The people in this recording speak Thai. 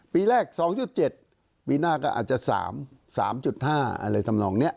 ปีแรก๒๗ปีหน้าก็อาจจะ๓๕ปี